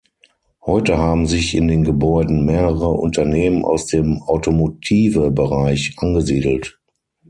Heute haben sich in den Gebäuden mehrere Unternehmen aus dem Automotive-Bereich angesiedelt.